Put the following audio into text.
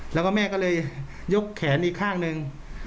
แล้วก็แม่ก็เลยยกแขนอีกข้างหนึ่ง